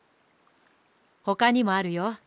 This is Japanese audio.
ほかにもあるよ。